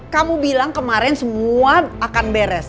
kamu bilang kemarin semua akan beres